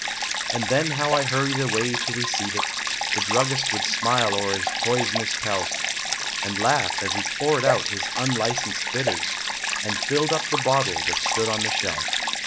And then how I hurried away to receive it, The druggist would smile o er his poisonous pelf, And laugh as he poured out his unlicensed bitters. And filled up the bottle that stood on the shelf.